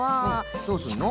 どうすんの？